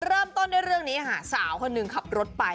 เริ่มต้นด้วยเรื่องนี้ค่ะสาวคนหนึ่งขับรถไป